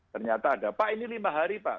ternyata ada pak ini lima hari pak